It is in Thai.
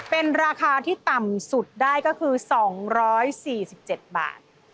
เป็นราคาที่ต่ำสุดได้ก็คือ๒๔๗บาท